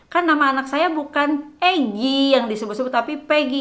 kan nama anak saya bukan egy yang disebut sebut tapi peggy